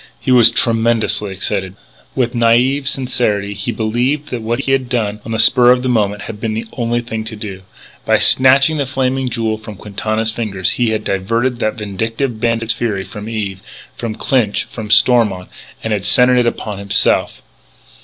He was tremendously excited. With naïve sincerity he believed that what he had done on the spur of the moment had been the only thing to do. By snatching the Flaming Jewel from Quintana's very fingers he had diverted that vindictive bandit's fury from Eve, from Clinch, from Stormont, and had centred it upon himself.